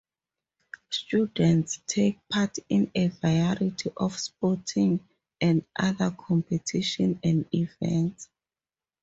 Students take part in a variety of sporting and other competitions and events.